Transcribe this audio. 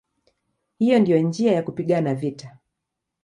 Hiyo ndiyo njia ya kupigana vita".